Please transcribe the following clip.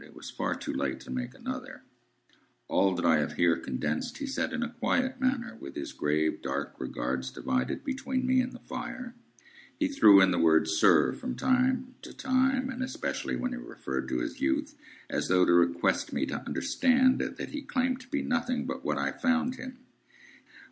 It was far too late to make another. [Picture: The signal man] All that I have here condensed he said in a quiet manner, with his grave, dark regards divided between me and the fire. He threw in the word, "Sir," from time to time, and especially when he referred to his youth,—as though to request me to understand that he claimed to be nothing but what I found him.